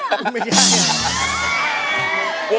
ไม่ใช่